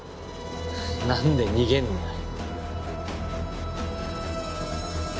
何で逃げんだよ。